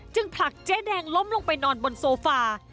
ผลักเจ๊แดงล้มลงไปนอนบนโซฟา